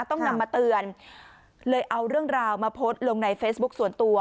ต้องนำมาเตือนเลยเอาเรื่องราวมาโพสต์ลงในเฟซบุ๊คส่วนตัว